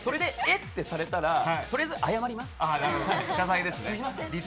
ってされたら、とりあえず謝ります。